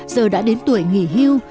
giờ đã đến tuổi nghỉ hưu